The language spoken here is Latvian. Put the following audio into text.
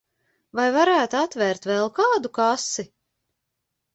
Vai varētu atvērt vēl kādu kasi?